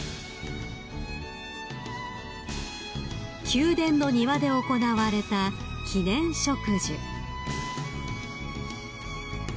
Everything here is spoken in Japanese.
［宮殿の庭で行われた記念植樹］